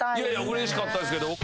うれしかったですけど。